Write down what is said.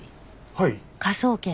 はい。